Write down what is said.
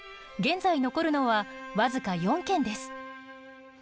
現在残るのは僅か４軒です。